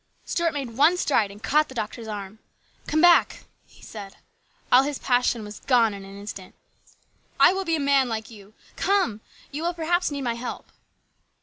Stuart made one stride and caught the doctor's arm. " Come back !" he said. All his passion was gone in an instant. " I will be a man like you. Come ! You will perhaps need my help."